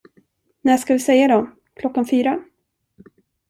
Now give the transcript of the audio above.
När ska vi säga då, klockan fyra?